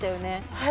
はい。